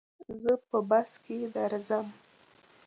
زه په بس کي درځم.